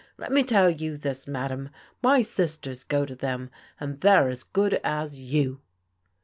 Let me tell you this, madam, my sisters go to them, and they're as good as you."